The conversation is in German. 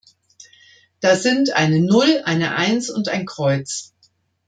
Da sind eine Null, eine Eins und ein Kreuz.